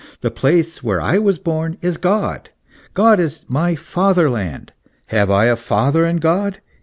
The place where I was born is God. God is my father land. Have I a father in God